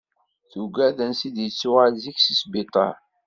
Tuggad ansi d-yettuɣal zik si sbiṭar.